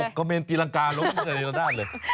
หกกระเมนตีรังกาลงไปทางนี้ละด้านเลย